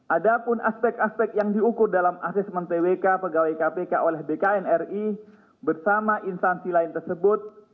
ada pun aspek aspek yang diukur dalam asesmen twk pegawai kpk oleh bkn ri bersama instansi lain tersebut